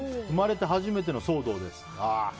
生まれて初めての騒動です。